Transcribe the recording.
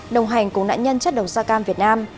đồng hành cùng nạn nhân chất độc da cam việt nam